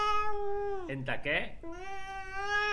Entà que?